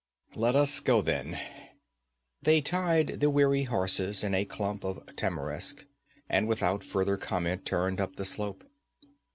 'Let us go, then.' They tied the weary horses in a clump of tamarisk and without further comment turned up the slope.